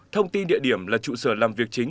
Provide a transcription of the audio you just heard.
thông tin địa điểm là trụ sở làm việc chính